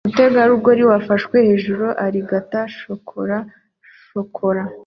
Umutegarugori wafashwe hejuru arigata shokora shokora